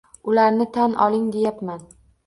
Ularni tan oling deyapman!